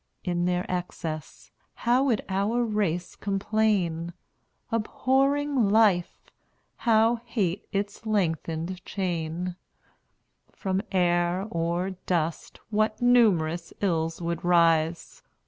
In their excess, how would our race complain, Abhorring life! how hate its lengthened chain! From air, or dust, what numerous ills would rise!